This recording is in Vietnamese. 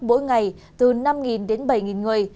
mỗi ngày từ năm đến bảy người